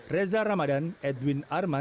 reza ramadan edwin arman